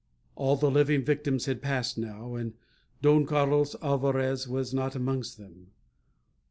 All the living victims had passed now. And Don Carlos Alvarez was not amongst them.